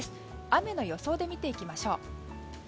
雨の予想で見ていきましょう。